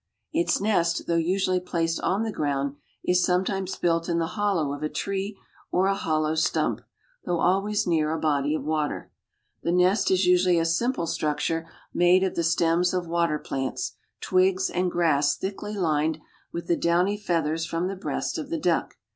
Its nest, though usually placed on the ground, is sometimes built in the hollow of a tree or a hollow stump, though always near a body of water. The nest is usually a simple structure made of the stems of water plants, twigs and grass thickly lined with the downy feathers from the breast of the duck.